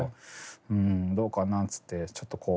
うんどうかなっつってちょっとこう。